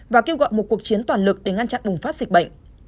và kêu gọi một cuộc chiến toàn lực để ngăn chặn bùng phát dịch bệnh